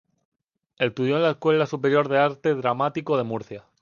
Estudió en la Escuela Superior de Arte Dramático de Murcia.